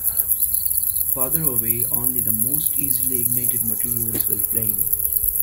Farther away, only the most easily ignited materials will flame.